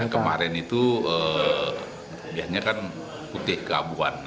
kemarin itu biasanya kan putih keabuan